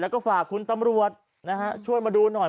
แล้วก็ฝากคุณตำรวจนะฮะช่วยมาดูหน่อย